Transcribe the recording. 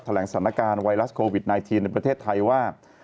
แหลงสถานการณ์ไวรัสโควิด๑๙ในประเทศไทยว่า